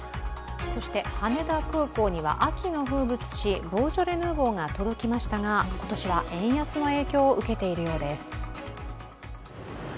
そして羽田空港には秋の風物詩、ボージョレ・ヌーボーが届きましたが、今年は円安の影響を受けているようです。